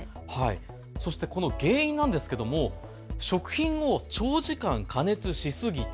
そしてこの原因なんですけれども食品を長時間、加熱しすぎた。